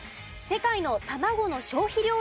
世界の卵の消費量